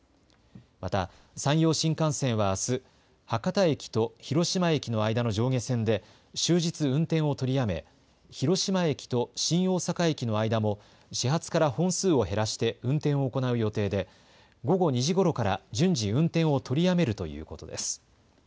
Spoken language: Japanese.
また、山陽新幹線はあす、博多駅と広島駅の間の上下線で終日運転を取りやめ、広島駅と新大阪駅の間も、始発から本数を減らして運転を行う予定で、午後２時ごろから順次、運転を取りやめるということです。